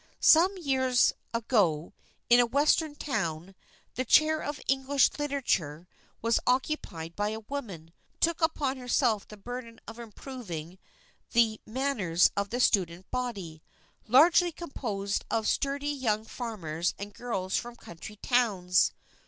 Some years ago, in a western town, the Chair of English Literature was occupied by a woman who took upon herself the burden of improving the manners of the student body, largely composed of sturdy young farmers and girls from country towns.